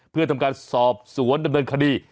เพื่อทำการสอบสวนดำเนินคดี